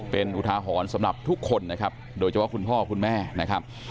เป็นอุทาหรณ์สำหรับทุกคนนะครับโดยเฉพาะคุณพ่อคุณแม่นะครับ